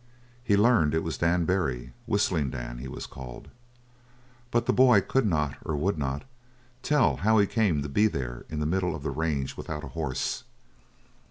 He learned it was Dan Barry Whistling Dan, he was called. But the boy could not, or would not, tell how he came to be there in the middle of the range without a horse.